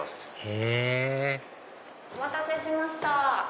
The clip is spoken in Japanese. へぇお待たせしました。